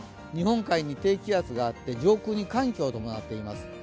日本海に低気圧があって、上空に寒気を伴っています。